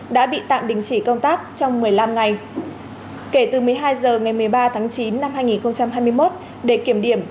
đã bị tạm đình chỉ công tác trong một mươi năm ngày kể từ một mươi hai h ngày một mươi ba tháng chín năm hai nghìn hai mươi một để kiểm điểm